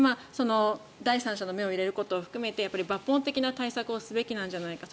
第三者の目を入れることを含めて抜本的な対策をすべきなんじゃないかと。